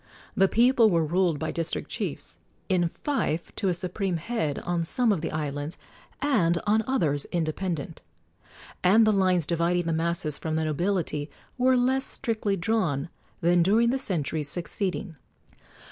The people were ruled by district chiefs, in fief to a supreme head on some of the islands, and on others independent, and the lines dividing the masses from the nobility were less strictly drawn than during the centuries succeeding.